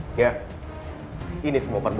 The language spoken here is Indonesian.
kau tak bisa mencoba